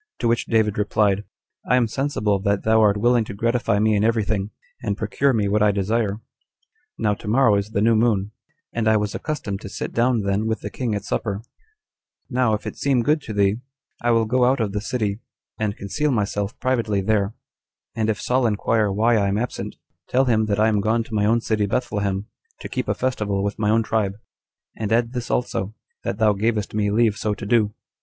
To which David replied, "I am sensible that thou art willing to gratify me in every thing, and procure me what I desire. Now tomorrow is the new moon, and I was accustomed to sit down then with the king at supper: now, if it seem good to thee, I will go out of the city, and conceal myself privately there; and if Saul inquire why I am absent, tell him that I am gone to my own city Bethlehem, to keep a festival with my own tribe; and add this also, that thou gavest me leave so to do.